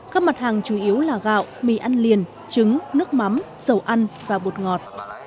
các mặt hàng chủ yếu là gạo mì ăn liền trứng nước mắm dầu ăn và bột ngọt